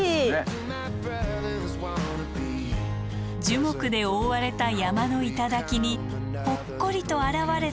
樹木で覆われた山の頂にぽっこりと現れた巨岩。